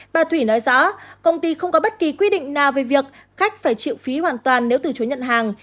bà thủy nói rõ công ty không có bất kỳ quy định nào về việc khách phải chịu phí hoàn toàn nếu từ chối nhận hàng